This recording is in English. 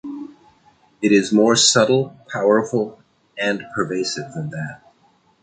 It is more subtle, powerful and pervasive than that.